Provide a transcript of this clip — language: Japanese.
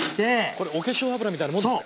これお化粧油みたいなもんですか。